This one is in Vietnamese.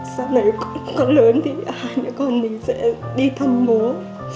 sau này con lớn thì hai nhà con mình sẽ đi thăm bố